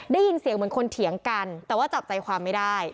ได้ยินเสียงเหมือนคนเถียงกันแต่ว่าจับใจความไม่ได้